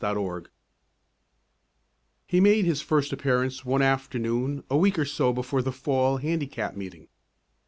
PATSY He made his first appearance one afternoon a week or so before the Fall Handicap Meeting.